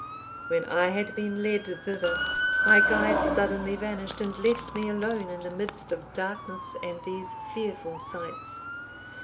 When I had been led thither, my guide suddenly vanished, and left me alone in the midst of darkness and these fearful sights.